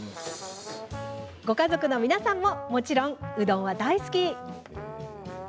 ご家族の皆さんももちろん、うどんは大好き。